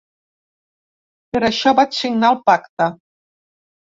Per això vaig signar el pacte.